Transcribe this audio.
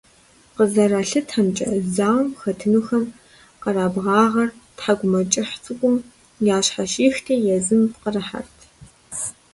КъызэралъытэмкӀэ, зауэм хэтынухэм къэрабгъагъэр тхьэкӀумэкӀыхь цӀыкӀум ящхьэщихти езым пкъырыхьэт.